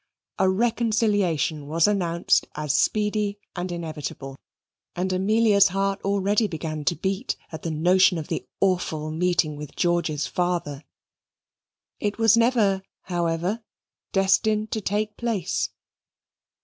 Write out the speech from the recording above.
A reconciliation was announced as speedy and inevitable, and Amelia's heart already began to beat at the notion of the awful meeting with George's father. It was never, however, destined to take place.